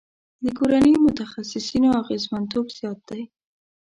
د کورني متخصصینو اغیزمنتوب زیات دی.